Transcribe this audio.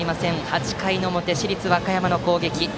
８回の表、市立和歌山の攻撃です。